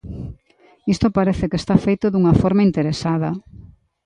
Isto parece que está feito dunha forma interesada.